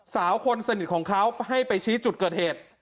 สาวคนสนิทของเขาให้ไปชี้จุดเกิดเหตุ